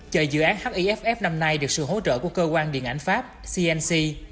chờ dự án hiff năm nay được sự hỗ trợ của cơ quan điện ảnh pháp cnc